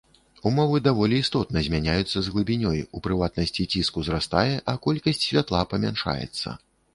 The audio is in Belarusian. Умовы даволі істотна змяняюцца з глыбінёй, у прыватнасці ціск узрастае, а колькасць святла памяншаецца.